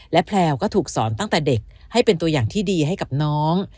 และแพลวก็ถูกสอนตั้งแต่เด็กให้เป็นตัวอย่างที่ดีให้กับน้อง